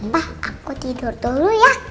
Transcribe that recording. bah aku tidur dulu ya